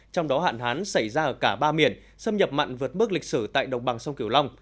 trong đó hạn hán xảy ra ở cả ba miền xâm nhập mặn vượt bước lịch sử tại đồng bằng sông kiểu long